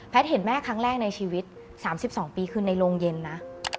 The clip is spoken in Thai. เห็นแม่ครั้งแรกในชีวิต๓๒ปีคือในโรงเย็นนะ